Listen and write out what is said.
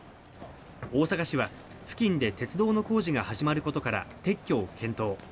大阪市は付近で鉄道の工事が始まることから撤去を検討。